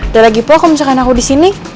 dari gipo kalau misalkan aku disini